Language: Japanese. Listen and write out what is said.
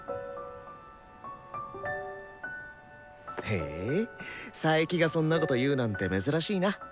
へえ佐伯がそんなこと言うなんて珍しいな。